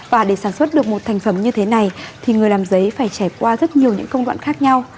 và để sản xuất được một thành phẩm như thế này thì người làm dây phải trải qua rất nhiều những chuyện